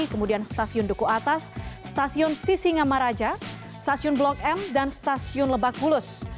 kemudian stasiun duku atas stasiun sisingamaraja stasiun blok m dan stasiun lebak bulus